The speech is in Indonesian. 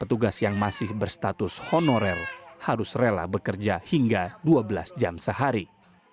petugas yang masih berstatus honorer harus rela bekerja hingga dua belas jam sehari